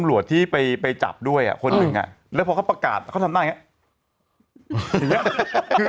ไม่เมื่อวานหลังจากประกาศปั๊บทำงานกันอยู่